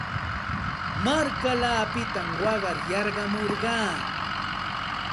Markallaapita waqar yarqamurqaa.